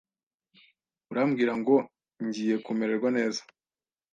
Urambwira ngo ngiye kumererwa neza?